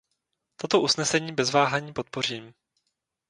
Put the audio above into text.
Toto usnesení bez váhání podpořím.